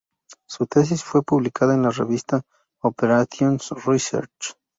Su tesis fue publicada en la revista "Operations Research".